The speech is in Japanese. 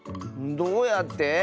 どうやって？